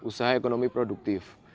usaha ekonomi produktif